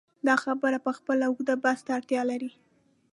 دا خبرې پخپله اوږد بحث ته اړتیا لري.